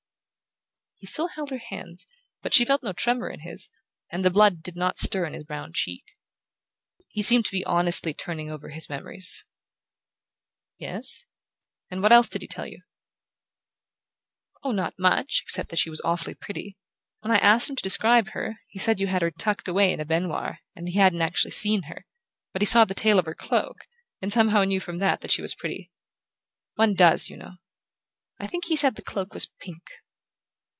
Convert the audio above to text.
He still held her hands, but she felt no tremor in his, and the blood did not stir in his brown cheek. He seemed to be honestly turning over his memories. "Yes: and what else did he tell you?" "Oh, not much, except that she was awfully pretty. When I asked him to describe her he said you had her tucked away in a baignoire and he hadn't actually seen her; but he saw the tail of her cloak, and somehow knew from that that she was pretty. One DOES, you know...I think he said the cloak was pink."